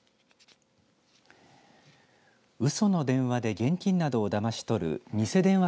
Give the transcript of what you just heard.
うその電話で現金などをだまし取るニセ電話